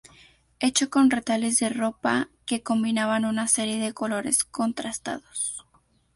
Hecho con retales de ropa que combinaban una serie de colores contrastados.